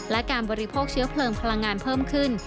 และการบริโภคเชื้อเพลิงพลังงานเพิ่มขึ้น